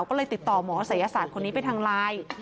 ก็เลยติดต่อหมอศัยศาสตร์คนนี้ไปทางไลน์